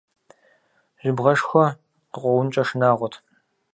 Жьыбгъэшхуэ къыкъуэункӏэ шынагъуэт.